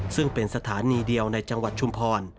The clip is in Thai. ซึ่งเป็นสถานีเดียวในจังหวัดชุมพร